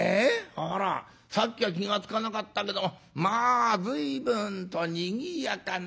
あらさっきは気が付かなかったけどもまあ随分とにぎやかなもんだねえ。